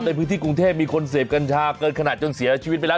ในพื้นที่กรุงเทพมีคนเสพกัญชาเกินขนาดจนเสียชีวิตไปแล้ว